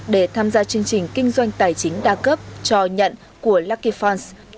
để tham gia chương trình kinh doanh tài chính đa cấp cho nhận của lucky funds